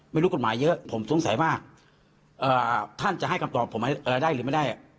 ไม่รู้กฎหมายเยอะผมสงสัยมากท่านจะให้คำตอบผมอะไรได้หรือไม่ได้